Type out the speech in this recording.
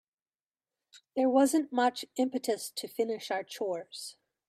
There wasn't much impetus to finish our chores.